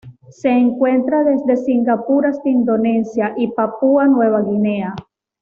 Se encuentran desde Singapur hasta Indonesia y Papúa Nueva Guinea.